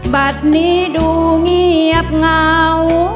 บัตรนี้ดูเงียบเหงา